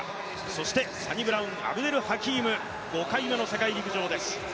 そしてサニブラウン・アブデル・ハキーム、５回目の世界陸上です。